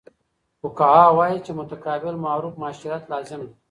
فقهاء وايي، چي متقابل معروف معاشرت لازم دی